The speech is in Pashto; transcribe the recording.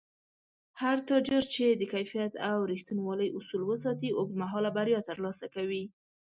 هر تاجر چې د کیفیت او رښتینولۍ اصول وساتي، اوږدمهاله بریا ترلاسه کوي